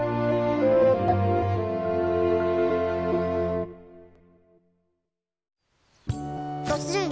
うん？